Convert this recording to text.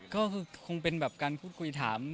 ก็คือคงเป็นแบบการพูดคุยถาม